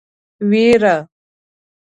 وېره.